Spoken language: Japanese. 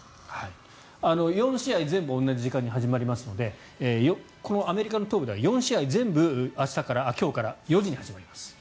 ４試合全部同じ時間に始まりますのでアメリカ東部では４試合全部今日から、４時に始まります。